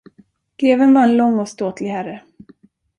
Greven var en lång och ståtlig herre.